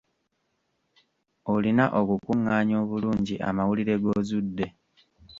Olina okukunganya obulungi amawulire g’ozudde.